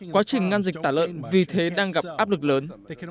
quá trình ngăn dịch tả lợn vì thế đang gặp áp lực lớn